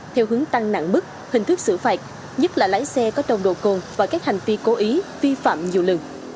theo hướng tăng nặng bức hình thức xử phạt nhất là lái xe có trồng đồ côn và các hành vi cố ý vi phạm nhiều lần